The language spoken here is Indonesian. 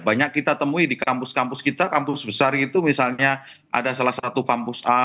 banyak kita temui di kampus kampus kita kampus besar itu misalnya ada salah satu kampus a